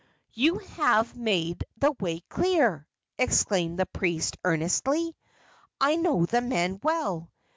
"You have made the way clear!" exclaimed the priest, earnestly. "I know the men well.